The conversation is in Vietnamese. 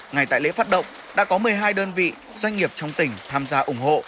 ngày tại lễ phát động đã có một mươi hai đơn vị doanh nghiệp trong tỉnh tham gia ủng hộ